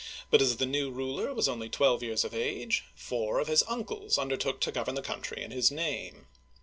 but as the new ruler was only twelve years of age, four of his uncles undertook to govern the country in his name.